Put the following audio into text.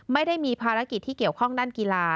ไม่ได้มีภารกิจที่เกี่ยวข้องด้านกีฬา